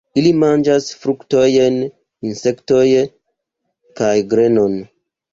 Ili manĝas fruktojn, insektojn kaj grenon.